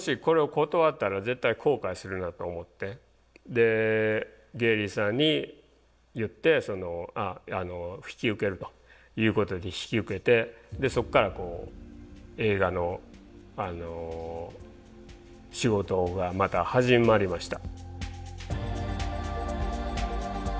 でゲイリーさんに言って引き受けるということで引き受けてそっから映画の仕事がまた始まりました。